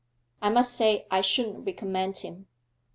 I must say I shouldn't recommend him.